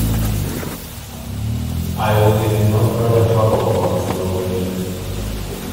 I will give you no further trouble about this little wager.